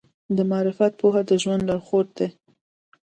د معرفت پوهه د ژوند لارښود دی.